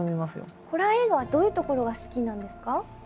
ホラー映画はどういうところが好きなんですか？